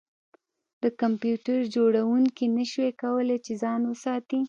د کمپیوټر جوړونکي نشوای کولی چې ځان وساتي